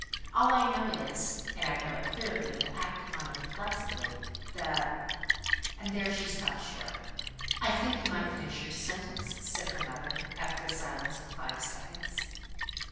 All I know is, and I know it clearly, and will act upon it inflexibly that " And here she stopped short. "I think you might finish your sentence," said her mother, after a silence of five seconds.